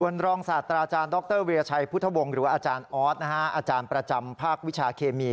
อวารรองศาสตราอาจารย์ดรวีรไฉฟ์พุทธวงศ์หรือจะว่าอาจารย์ประจำภาควิชาเคมี